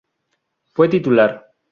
Fue titular